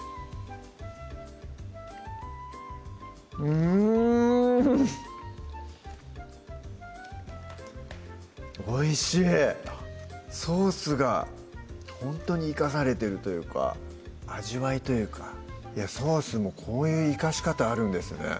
うんおいしいソースがほんとに生かされてるというか味わいというかソースもこういう生かし方あるんですね